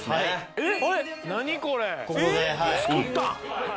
えっ？